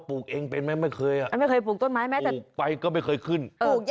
พูกไปก็ไม่เคยขึ้น